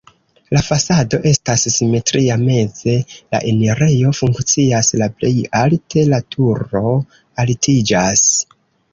La fasado estas simetria, meze la enirejo funkcias, la plej alte la turo altiĝas.